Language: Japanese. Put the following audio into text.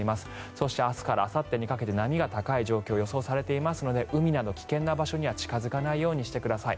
そして明日からあさってにかけて波が高い状況が予想されていますので海など危険な場所には近付かないようにしてください。